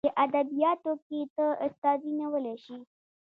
چې ادبياتو کې ته استادي نيولى شې.